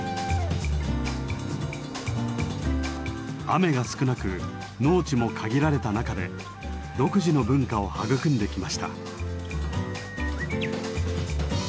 雨が少なく農地も限られた中で独自の文化を育んできました。